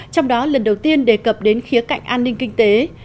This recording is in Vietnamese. trong đó lần đầu tiên đề cập đến khía cạnh an ninh kinh tế